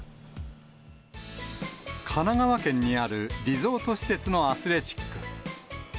神奈川県にあるリゾート施設のアスレチック。